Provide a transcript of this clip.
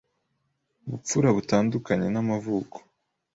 b u pfura b uta n d u ka n y e n’a m a v u ko